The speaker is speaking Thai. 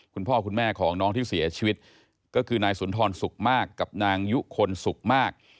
คุณพ่อคุณแม่ของน้องที่เสียชีวิตก็คือนายสุนทรสุขมากกับนางยุคลสุขมาก